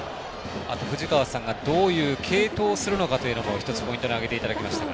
藤川さんがどういう継投をするのかと１つ、ポイントに挙げていただきましたが。